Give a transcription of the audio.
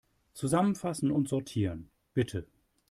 Zusammenfassen und sortieren, bitte.